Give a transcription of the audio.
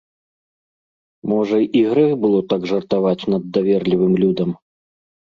Можа, і грэх было так жартаваць над даверлівым людам.